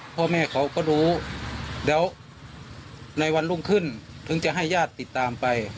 พ่อแม่เขาก็รู้แล้วในวันรุ่งขึ้นถึงจะให้ญาติติดตามไป